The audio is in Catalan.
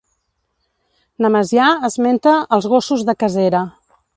Nemesià esmenta als gossos de casera.